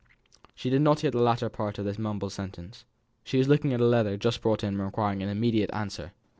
She did not hear the latter part of this mumbled sentence. She was looking at a letter just brought in and requiring an immediate answer.